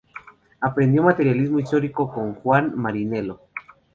Aprendió materialismo histórico con Juan Marinello.